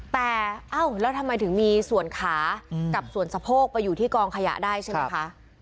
แต่เอ้าแล้วทำไมถึงมีส่วนขากับส่วนสะโพกไปอยู่ที่กองขยะได้ใช่ไหมคะ